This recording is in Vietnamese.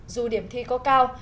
dù điểm thi có cao